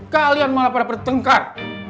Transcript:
kalian malah pada pertengkar